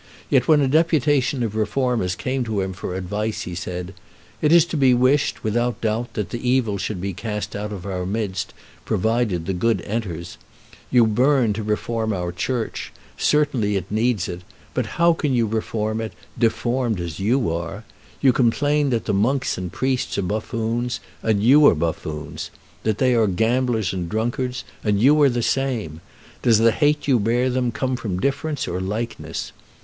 Yet when a deputation of reformers came to him for advice, he said: "It is to be wished, without doubt, that the evil should be cast out of our midst, provided that the good enters. You burn to reform our Church; certainly it needs it; but how can you reform it, deformed as you are? You complain that the monks and priests are buffoons; and you are buffoons; that they are gamblers and drunkards, and you are the same. Does the hate you bear them come from difference or likeness?